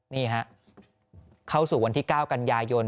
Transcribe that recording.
นี่ฮะเข้าสู่วันที่๙กันยายน